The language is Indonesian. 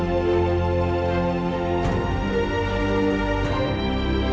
saya akan menangkan dia